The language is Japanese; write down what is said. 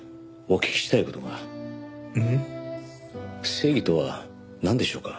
正義とはなんでしょうか？